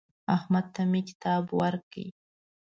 احمد ته مې کتاب ورکړ.